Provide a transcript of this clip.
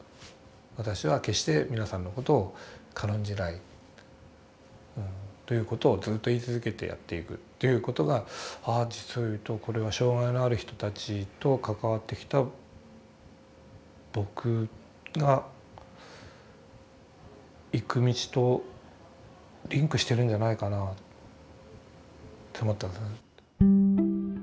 私は決して皆さんのことを軽んじないということをずっと言い続けてやっていくということがああ実を言うとこれは障害のある人たちと関わってきた僕が行く道とリンクしてるんじゃないかなって思ったんですね。